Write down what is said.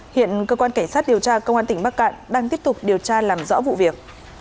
hiện cơ quan cảnh sát điều tra công an tỉnh bắc cạn đang tiếp tục điều tra làm rõ vụ việc